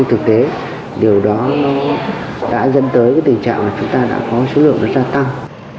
thực tế điều đó nó đã dân tới cái tình trạng là chúng ta đã có số lượng nó gia tăng